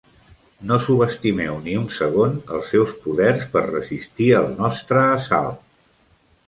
No subestimeu ni un segon els seus poders per resistir el nostre assalt.